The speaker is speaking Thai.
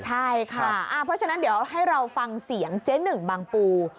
ใช่ค่ะเพราะฉะนั้นเดี๋ยวให้เราฟังเสียงเจ๊หนึ่งบางปู